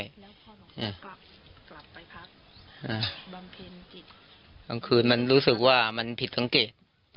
ตั้งคืนมันรู้สึกว่ามันผิดสังเกต